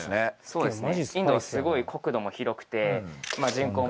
そうですね